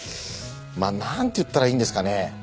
まあなんて言ったらいいんですかね？